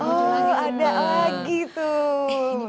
oh ada lagi tuh